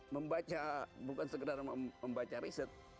membaca bukan sekedar membaca riset